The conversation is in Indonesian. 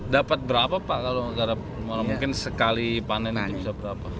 dapat berapa pak kalau garap mungkin sekali panen itu bisa berapa